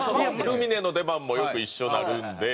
ルミネの出番もよく一緒になるんで。